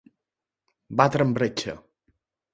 Batre en bretxa.